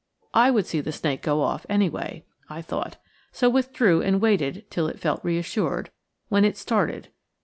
I would see the snake go off, anyway, I thought, so withdrew and waited till it felt reassured, when it started.